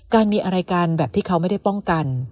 การมีอะไรกันแบบที่เขาไม่ได้ป้องกัน